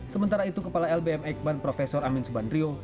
sementara itu kepala lbm ekman prof amin subandrio